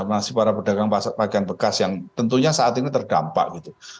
nasib para pedagang pakaian bekas yang tentunya saat ini terdampak gitu